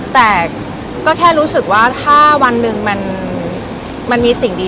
แต่ก็แค่รู้สึกว่าถ้าวันหนึ่งมันมีสิ่งดี